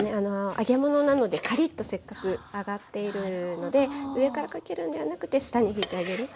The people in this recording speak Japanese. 揚げ物なのでカリッとせっかく揚がっているので上からかけるのではなくて下にひいてあげる。